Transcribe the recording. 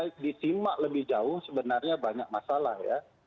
kalau disimak lebih jauh sebenarnya banyak masalah ya